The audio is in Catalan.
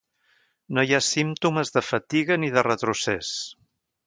No hi ha símptomes de fatiga ni de retrocés.